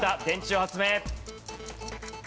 電池を発明。